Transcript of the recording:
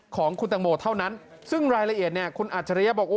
ของคุณตังโมเท่านั้นซึ่งรายละเอียดเนี่ยคุณอัจฉริยะบอก